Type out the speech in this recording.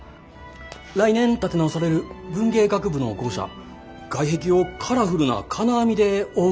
来年建て直される文芸学部の校舎外壁をカラフルな金網で覆うのはどうでしょう？